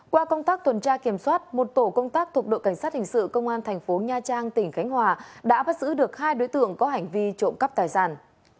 qua công tác tuần tra kiểm soát một tổ công tác thuộc đội cảnh sát hình sự công an thành phố nha trang tỉnh khánh hòa đã bắt giữ được hai đối tượng có hành vi trộm cắp tài sản